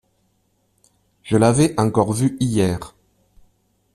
Je l’avais encore vu hier.